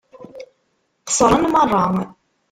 Qeṣṣṛen meṛṛa.